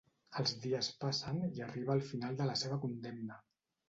Els dies passen i arriba el final de la seva condemna.